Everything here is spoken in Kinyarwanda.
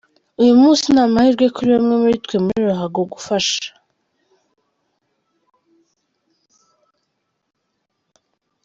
Uyu munsi ni amahwirwe kuri bamwe muri twe muri ruhago gufasha.